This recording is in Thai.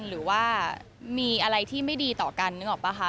หรือว่ามีอะไรที่ไม่ดีต่อกันนึกออกป่ะคะ